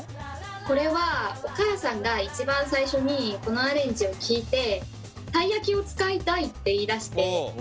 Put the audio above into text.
これはお母さんが一番最初にこのアレンジを聞いてたい焼きを使いたいって言いだして。